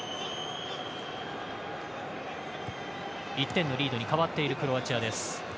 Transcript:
１点のリードに変わっているクロアチアです。